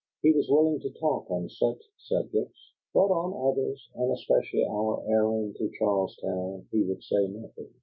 He was willing to talk on such subjects. But on others, and especially our errand to Charlestown, he would say nothing.